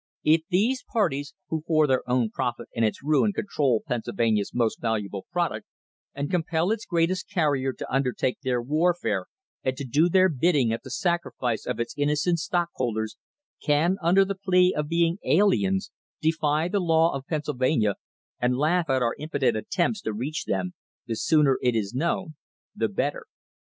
If these parties — who for their own profit and its ruin control Pennsylvania's most valuable product, and compel its greatest carrier to undertake their warfare and to do their bidding at the sacrifice of its innocent stockholders — can, under the plea of being 'aliens,' defy the law of Pennsylvania and laugh at our im potent attempts to reach them, the sooner it is known the better.